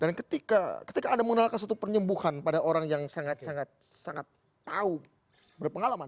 dan ketika anda menolakkan suatu penyembuhan pada orang yang sangat sangat tahu berpengalaman